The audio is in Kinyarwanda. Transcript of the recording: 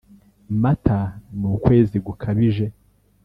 mata ni ukwezi gukabije